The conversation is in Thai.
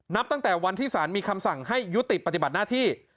นับตั้งแต่วันที่สารมีคำสั่งให้ยุติปฏิบัติหน้าที่